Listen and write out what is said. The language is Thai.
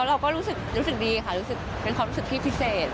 แต่เราก็รู้สึกดีค่ะเป็นความรู้สึกที่พิเศษ